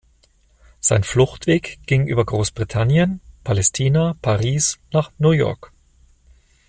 Sein Fluchtweg ging über Großbritannien, Palästina, Paris nach New York.